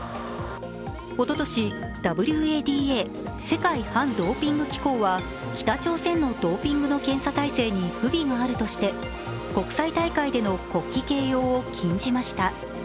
おととし、ＷＡＤＡ＝世界反ドーピング機関は北朝鮮のドーピングの検査体制に不備があるとして国際大会での国旗掲揚を禁じました。